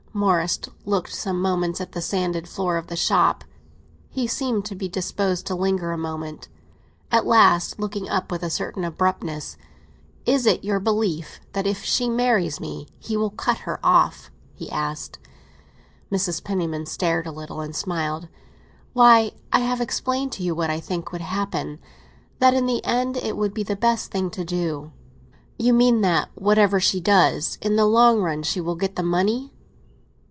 Morris looked some moments at the sanded floor of the shop; he seemed to be disposed to linger a moment. At last, looking up with a certain abruptness, "It is your belief that if she marries me he will cut her off?" he asked. Mrs. Penniman stared a little, and smiled. "Why, I have explained to you what I think would happen—that in the end it would be the best thing to do." "You mean that, whatever she does, in the long run she will get the money?"